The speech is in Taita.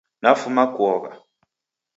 Nafuma kuogha.